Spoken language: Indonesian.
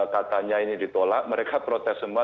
katanya ini ditolak mereka protes semua